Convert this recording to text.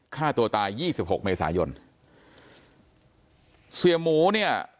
ค่าตัวตาย๒๖เมษายนเสียหมูเนี่ย